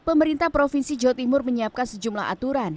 pemerintah provinsi jawa timur menyiapkan sejumlah aturan